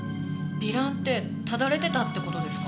糜爛ってただれてたって事ですか？